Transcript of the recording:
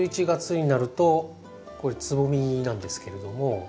１１月になるとこれつぼみなんですけれども。